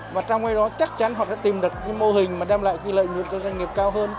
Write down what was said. và trong nơi đó chắc chắn họ sẽ tìm được mô hình mà đem lại lợi nhuận cho doanh nghiệp cao hơn